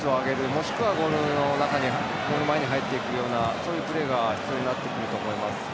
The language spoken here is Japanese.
もしくはゴール前に入っていくようなそういうプレーが必要になってくると思います。